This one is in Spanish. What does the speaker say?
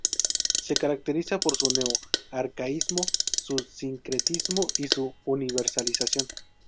Se caracteriza por su neo-arcaísmo, su sincretismo y su universalización.